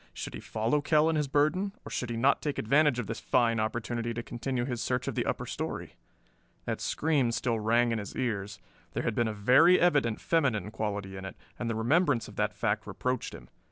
Should he follow Kell and his burden, or should he not take advantage of this fine opportunity to continue his search of the upper story? That scream still rang in his ears; there had been a very evident feminine quality in it, and the remembrance of that fact reproached him.